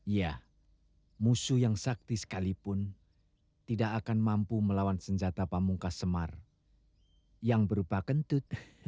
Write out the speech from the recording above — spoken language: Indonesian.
ya musuh yang sakti sekalipun tidak akan mampu melawan senjata pamungkas semar yang berupa kentut